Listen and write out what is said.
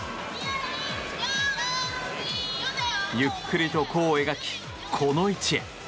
ゆっくりと弧を描きこの位置へ。